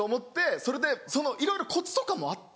それでいろいろコツとかもあって。